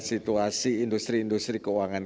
situasi industri industri keuangan